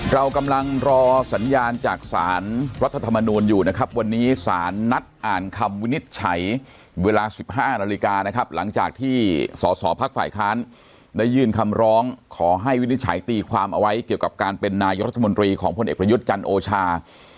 เรากำลังรอสัญญาณจากสารรัฐธรรมนูลอยู่นะครับวันนี้สารนัดอ่านคำวินิจฉัยเวลา๑๕นาฬิกานะครับหลังจากที่สอสอพักฝ่ายค้านได้ยื่นคำร้องขอให้วินิจฉัยตีความเอาไว้เกี่ยวกับการเป็นนายกรัฐมนตรีของพลเอกประยุทธ์จันทร์โอชา